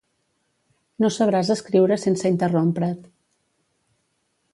No sabràs escriure sense interrompre't.